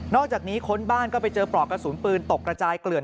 อกจากนี้ค้นบ้านก็ไปเจอปลอกกระสุนปืนตกกระจายเกลื่อน